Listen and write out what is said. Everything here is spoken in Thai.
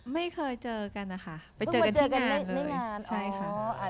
ไม่เคยเจอกันนะคะไปเจอกันที่งานเลย